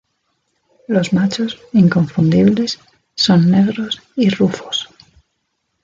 Los machos, inconfundibles, son negros y rufos.